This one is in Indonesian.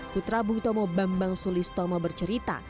putra bung tomo bambang sulistomo bercerita